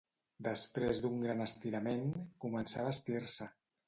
Després d'un gran estirament, començà a vestir-se.